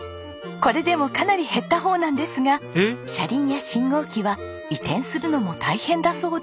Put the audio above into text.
これでもかなり減った方なんですが車輪や信号機は移転するのも大変だそうで。